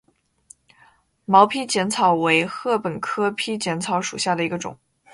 毛披碱草为禾本科披碱草属下的一个种。